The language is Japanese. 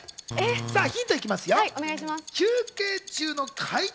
ヒント行きますよ。